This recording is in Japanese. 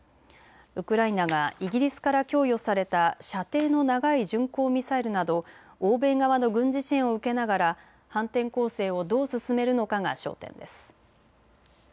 ウクライナがイギリスから供与された射程の長い巡航ミサイルなど欧米側の軍事支援を受けながら反転攻勢をどう進めるのかが焦点です。